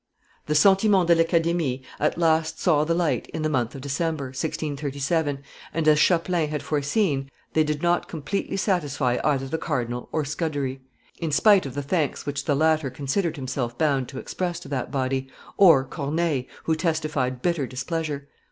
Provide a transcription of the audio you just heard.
The Sentiments de l'Academie at last saw the light in the month of December, 1637, and as Chapelain had foreseen, they did not completely satisfy either the cardinal or Scudery, in spite of the thanks which the latter considered himself bound to express to that body, or Corneille, who testified bitter displeasure.